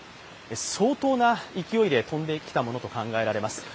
相当な勢いで飛んできたものと考えられます。